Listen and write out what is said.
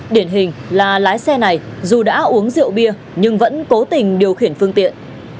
điển hình là lái xe này dù đã uống rượu bia nhưng vẫn cố tình điều khiển phương tiện